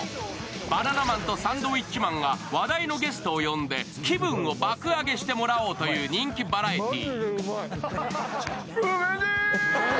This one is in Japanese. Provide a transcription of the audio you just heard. バナナマンとサンドウィッチマンが話題のゲストを呼んで気分を爆上げしてもらおうという人気バラエティー。